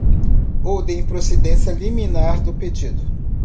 ou de improcedência liminar do pedido